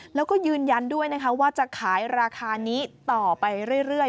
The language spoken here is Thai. แล้วก็ยืนยันด้วยนะคะว่าจะขายราคานี้ต่อไปเรื่อย